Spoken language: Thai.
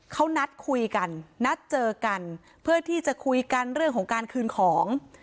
เขานัดคุยกันนัดเจอกันเพื่อที่จะคุยกันเรื่องของการคืนของ